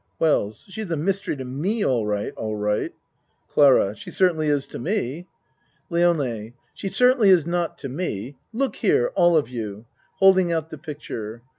WELLS She's a mystery to me all right, all right. CLARA She certainly is to me. LIONE She certainly is not to me. Look here all of you. (Holding out the picture.)